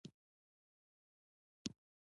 د بندونو او فابریکو کار پیل شو.